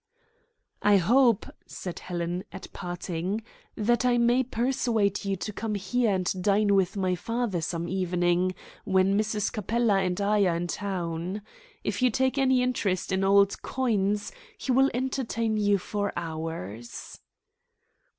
"I hope," said Helen, at parting, "that I may persuade you to come here and dine with my father some evening when Mrs. Capella and I are in town. If you take any interest in old coins he will entertain you for hours."